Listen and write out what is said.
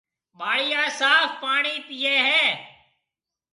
ٻاݪيا صاف پاڻِي پيئيَ ھيََََ